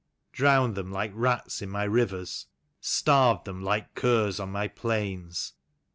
Drowned them like rats in my rivers, starved them like curs on my plains.